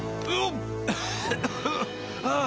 あっ。